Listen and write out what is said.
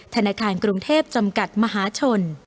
ธนาคารกรุงเทพจำกัดมหาชน